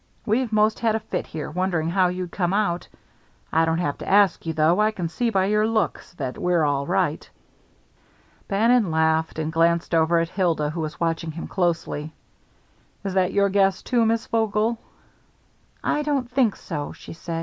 We've most had a fit here, wondering how you'd come out. I don't have to ask you, though. I can see by your looks that we're all right." Bannon laughed, and glanced over at Hilda, who was watching him closely. "Is that your guess, too, Miss Vogel?" "I don't think so," she said.